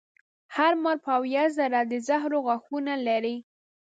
هر مار به اویا زره د زهرو غاښونه لري.